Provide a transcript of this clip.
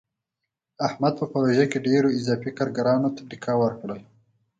احمد په پروژه کې ډېرو اضافي کارګرانو ته ډیکه ورکړله.